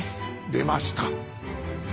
出ました！